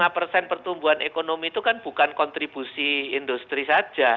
lima persen pertumbuhan ekonomi itu kan bukan kontribusi industri saja